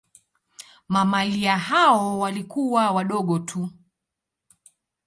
Mamalia hao walikuwa wadogo tu.